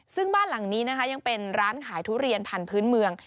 ซึ่งบ้านหลังนี้นะคะยังเป็นร้านขายทุเรียนพันธุ์เมือง